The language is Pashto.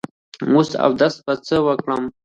وس اودس په څۀ وکړم